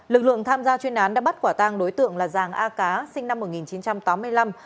lực lượng tham gia chuyên án đã bắt quả tang đối tượng là giàng a cá sinh năm một nghìn chín trăm tám mươi năm